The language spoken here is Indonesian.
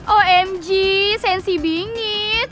omg sensi bingits